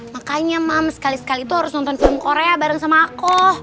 makanya mams kali kali tuh harus nonton film korea bareng sama aku